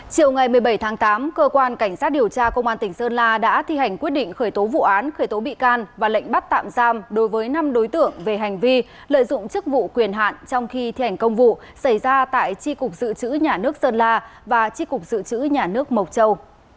chiều ngày một mươi bảy tháng tám cơ quan cảnh sát điều tra công an tỉnh sơn la đã thi hành quyết định khởi tố vụ án khởi tố bị can và lệnh bắt tạm giam đối với năm đối tượng về hành vi lợi dụng chức vụ quyền hạn trong khi thi hành công vụ xảy ra tại tri cục dự trữ nhà nước sơn la và tri cục dự trữ nhà nước mộc châu